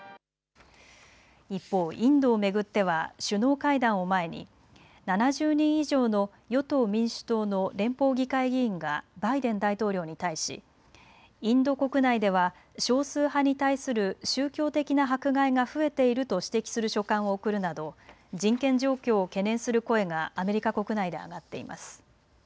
一方、インドを巡っては首脳会談を前に７０人以上の与党・民主党の連邦議会議員がバイデン大統領に対しインド国内では少数派に対する宗教的な迫害が増えていると指摘する書簡を送るなど人権状況を懸念する声がアメリカ国内で上がっています。